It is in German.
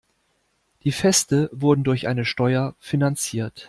Die Feste wurden durch eine Steuer finanziert.